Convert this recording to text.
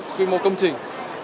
ở quy mô công trình